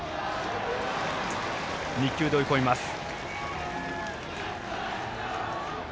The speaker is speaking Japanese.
２球で追い込みます。